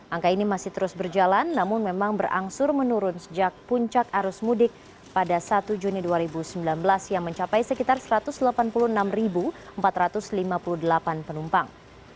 angka ini masih terus berjalan namun memang berangsur menurun sejak puncak arus mudik pada satu juni dua ribu sembilan belas yang mencapai sekitar satu ratus delapan puluh enam empat ratus lima puluh delapan penumpang